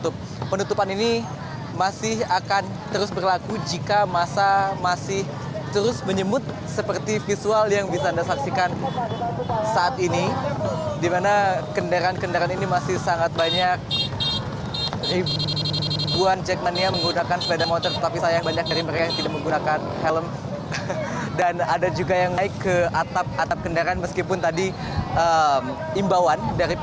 pada hari ini saya akan menunjukkan kepada anda